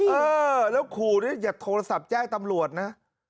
เออแล้วขู่ด้วยอย่าโทรศัพท์แจ้งตำรวจนะ